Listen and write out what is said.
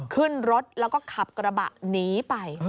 ขึ้นรถแล้วก็ขับกระบะหนีไป